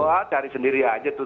wah cari sendiri aja